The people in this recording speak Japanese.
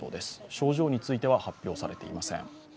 症状については発表されていません。